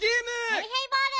ヘイヘイボール！